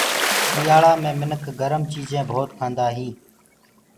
سٚيآلآ مي منک گرم چيجينٚ ڀوت کآندآ هينٚ